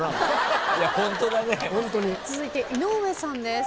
続いて井上さんです。